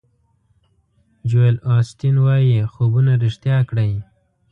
جویل اوسټین وایي خوبونه ریښتیا کړئ.